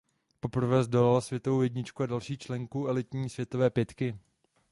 Poprvé zdolala světovou jedničku a další členku elitní světové pětky.